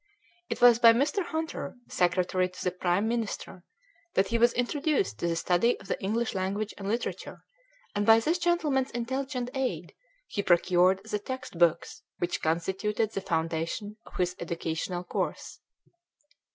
It was by Mr. Hunter, secretary to the prime minister, that he was introduced to the study of the English language and literature, and by this gentleman's intelligent aid he procured the text books which constituted the foundation of his educational course.